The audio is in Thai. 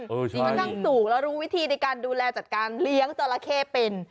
ค่อนข้างสูงแล้วรู้วิธีในการดูแลจัดการเลี้ยงจราเข้เป็น